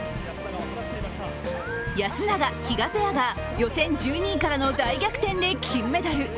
安永・比嘉ペアが予選１２位からの大逆転で金メダル。